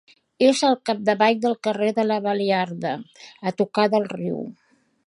És al capdavall del carrer de la Baliarda, a tocar del riu.